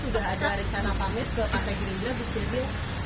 sudah ada rencana pamit ke partai gerindra bus rizik